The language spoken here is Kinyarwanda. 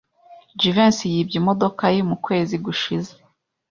Jivency yibye imodoka ye mu kwezi gushize.